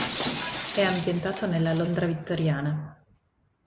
È ambientato nella Londra vittoriana.